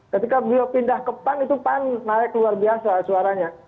ketika beliau pindah ke pan itu pan naik luar biasa suaranya